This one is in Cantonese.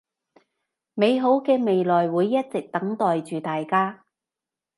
美好嘅未來會一直等待住大家